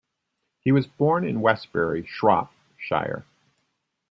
He was born in Westbury, Shropshire.